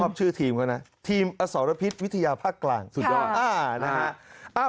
ชอบชื่อทีมเขานะทีมอสรพิษวิทยาภาคกลางสุดยอดนะฮะ